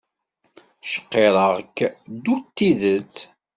Cqirreɣ-k ddu d tidet!